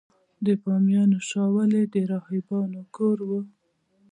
د بامیانو شاولې د راهبانو کور و